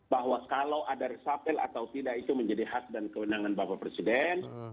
bahwa kalau ada resapel atau tidak itu menjadi hak dan kewenangan bapak presiden